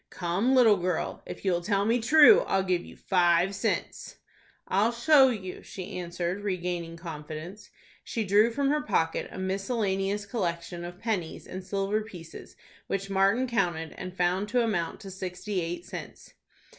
"Come, little girl, if you'll tell me true, I'll give you five cents." "I'll show you," she answered, regaining confidence. She drew from her pocket a miscellaneous collection of pennies and silver pieces, which Martin counted, and found to amount to sixty eight cents.